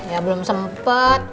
ya belum sempet